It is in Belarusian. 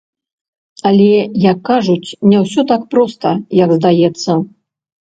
Але, як кажуць, не ўсё так проста, як здаецца.